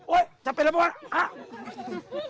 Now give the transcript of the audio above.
โอ๊ยจับเป็นแล้วพ่อ